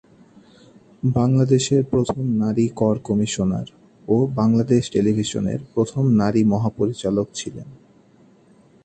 বাংলাদেশের প্রথম নারী কর কমিশনার ও বাংলাদেশ টেলিভিশনের প্রথম নারী মহা পরিচালক ছিলেন।